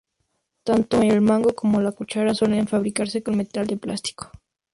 Tanto el mango como la cuchara suelen fabricarse con metal o plástico.